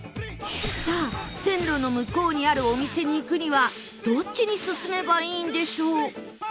さあ線路の向こうにあるお店に行くにはどっちに進めばいいんでしょう？